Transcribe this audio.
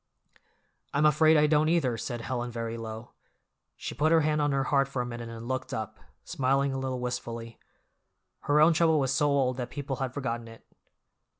"I'm afraid I don't, either," said Helen very low. She put her hand on her heart for a minute and looked up, smiling a little wistfully. Her own trouble was so old that people had forgotten it.